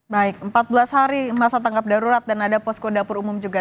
baik empat belas hari masa tanggap darurat dan ada posko dapur umum juga